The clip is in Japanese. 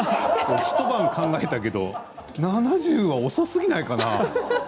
一晩考えたけど７０は遅すぎないかな？